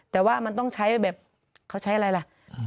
แต่ว่ามันต้องใช้แบบเขาใช้อะไรล่ะ